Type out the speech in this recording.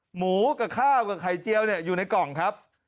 หมูกับข้าวกับไข่เจียวอยู่ในกล่องครับ